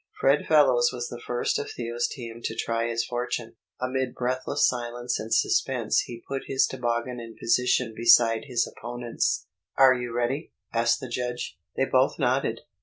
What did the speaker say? Fred Fellows was the first of Theo's team to try his fortune. Amid breathless silence and suspense he put his toboggan in position beside his opponent's. "Are you ready?" asked the judge. They both nodded.